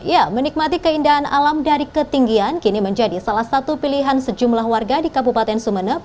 ya menikmati keindahan alam dari ketinggian kini menjadi salah satu pilihan sejumlah warga di kabupaten sumeneb